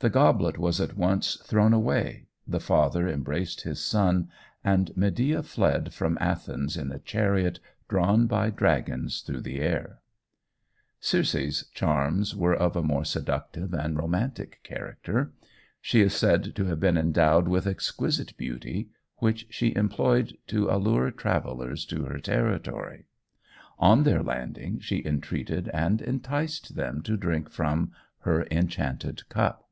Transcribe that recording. The goblet was at once thrown away, the father embraced his son, and Medea fled from Athens in a chariot drawn by dragons through the air. Circe's charms were of a more seductive and romantic character. She is said to have been endowed with exquisite beauty, which she employed to allure travellers to her territory. On their landing, she entreated and enticed them to drink from her enchanted cup.